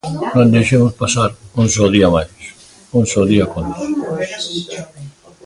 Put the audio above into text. Non deixemos pasar un só día máis; un só día conta.